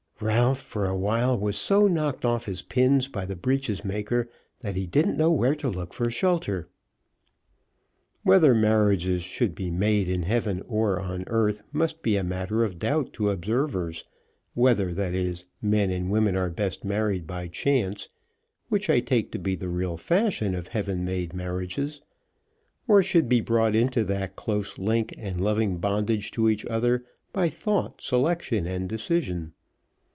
Ralph for a while was so knocked off his pins by the breeches maker, that he didn't know where to look for shelter." Whether marriages should be made in heaven or on earth, must be a matter of doubt to observers; whether, that is, men and women are best married by chance, which I take to be the real fashion of heaven made marriages; or should be brought into that close link and loving bondage to each other by thought, selection, and decision.